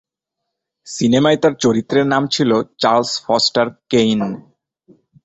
সিনেমায় তার চরিত্রের নাম ছিল চার্লস ফস্টার কেইন।